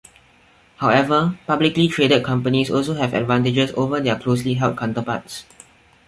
However, publicly traded companies also have advantages over their closely held counterparts.